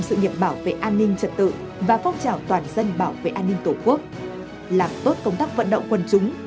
lực lượng phong trào toàn dân bảo vệ an ninh tổ quốc trên không gian mạng